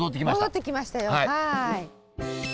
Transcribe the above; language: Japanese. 戻ってきましたよはい。